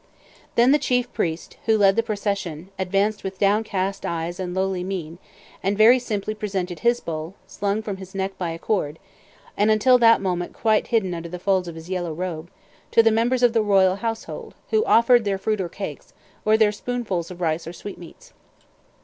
Then the chief priest, who led the procession, advanced with downcast eyes and lowly mien, and very simply presented his bowl (slung from his neck by a cord, and until that moment quite hidden under the folds of his yellow robe) to the members of the royal household, who offered their fruit or cakes, or their spoonfuls of rice or sweetmeats.